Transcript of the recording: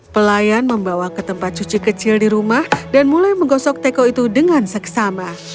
pelayan membawa ke tempat cuci kecil di rumah dan mulai menggosok teko itu dengan seksama